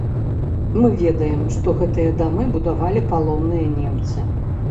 Мы ведаем, што гэтыя дамы будавалі палонныя немцы.